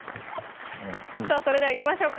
さぁそれではいきましょうか。